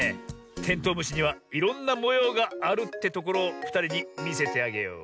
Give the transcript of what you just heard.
テントウムシにはいろんなもようがあるってところをふたりにみせてあげよう。